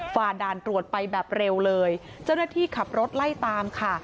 ฝ่าด่านตรวจไปแบบเร็วเลยเจ้าหน้าที่ขับรถไล่ตามค่ะ